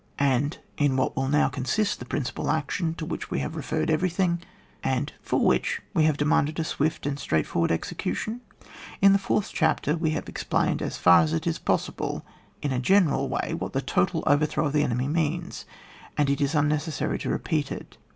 And in what will now consist the principal action to which we have re ferred eveiything, and for which we have demanded a swift and straight forward execution? In the fourth chapter we have ex plained as far as it is possible in a general way what the total overthrow of Sie enemy means, and it is unnecessary to repeat it.